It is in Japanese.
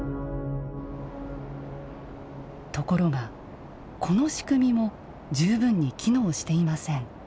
ところが、この仕組みも十分に機能していません。